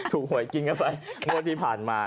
หวยกินกันไปงวดที่ผ่านมา